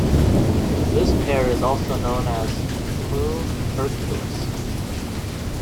This pair is also known as Mu Herculis.